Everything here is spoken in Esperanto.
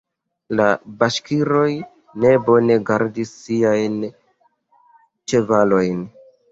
La baŝkiroj ne bone gardis siajn ĉevalojn.